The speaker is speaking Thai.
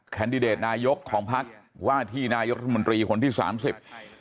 แคนดิเดตนายกของภักดิ์ว่าที่นายกธรรมดรีคนที่สามสิบ